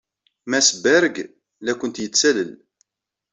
Mass Berg la kent-yettalel.